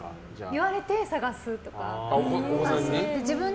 言われて、探すとか。